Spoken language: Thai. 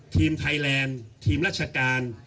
ทีมไทยแลนด์ทีมราชการ